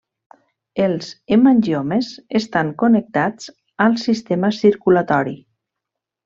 Els hemangiomes estan connectats al sistema circulatori.